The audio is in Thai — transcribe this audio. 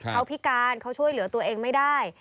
เขาพิการเขาช่วยเหลือตัวเองไม่ได้